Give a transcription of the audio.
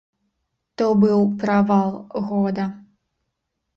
То быў правал года.